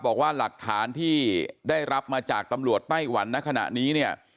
บอกว่าหลักฐานที่ได้รับมาจากตำรวจไต้หวันณขณะนี้เนี่ย